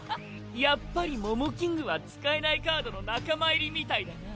やっぱりモモキングは使えないカードの仲間入りみたいだな。